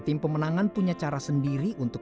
tim pemenangan punya cara sendiri untuk